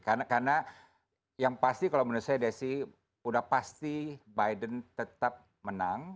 karena yang pasti kalau menurut saya desi sudah pasti biden tetap menang